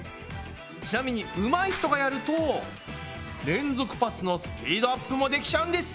ちなみにうまい人がやると連続パスのスピードアップもできちゃうんです！